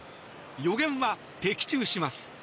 予言は、的中します！